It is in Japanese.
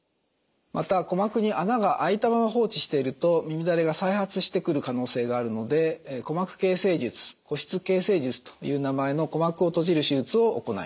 また鼓膜に穴が開いたまま放置していると耳だれが再発してくる可能性があるので鼓膜形成術鼓室形成術という名前の鼓膜を閉じる手術を行います。